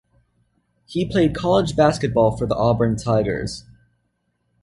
He played college basketball for the Auburn Tigers.